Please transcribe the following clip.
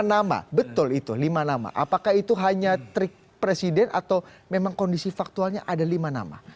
lima nama betul itu lima nama apakah itu hanya trik presiden atau memang kondisi faktualnya ada lima nama